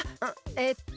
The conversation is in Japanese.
えっと。